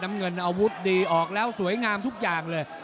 เงินอาวุธดีออกแล้วสวยงามทุกอย่างเลย